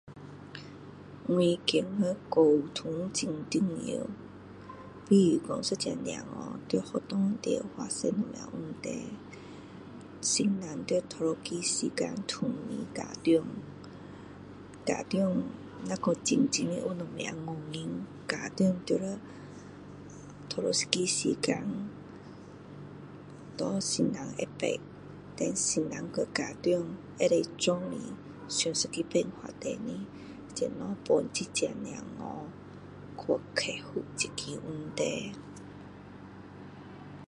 我觉得沟通很重要，比如说有一个小孩在学校里发生什么问题，老师就第一时间通知家长。家长如果说真正有什么原因，家长就要第一时间给老师知道。then老师和家长能够一起，想一个办法出来，怎样帮这个小孩去克服这个问题。